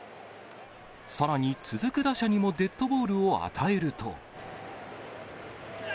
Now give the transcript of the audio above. さらに続く打者にもデッドボールを与えると。